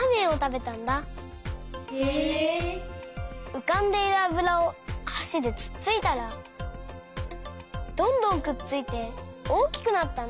うかんでいるあぶらをはしでつっついたらどんどんくっついておおきくなったんだ。